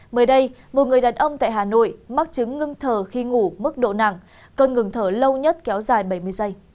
mới đây một người đàn ông tại hà nội mắc chứng ngưng thở khi ngủ mức độ nặng cơn ngừng thở lâu nhất kéo dài bảy mươi giây